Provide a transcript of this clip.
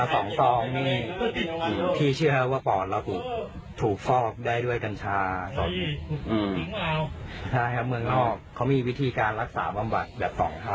เขามีวิธีการรักษาบำบัดหยัด๒ทางครับ